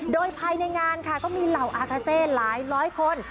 โดยภายในงานค่ะก็มีเหล่าอาคาเซหลายร้อยคน